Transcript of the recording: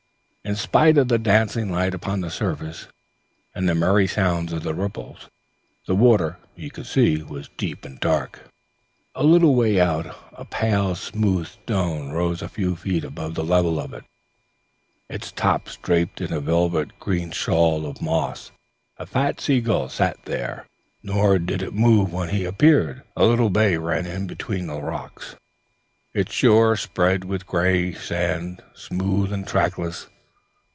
In spite of the dancing light upon the surface and the merry sounds of the ripples, the water, he could see, was deep and dark; a little way out a pale smooth stone rose a few feet above the level of it, its top draped in a velvet green shawl of moss. A fat sea gull sat there; nor did it move when he appeared. A little bay ran in between the rocks, its shore spread with grey sand, smooth and trackless.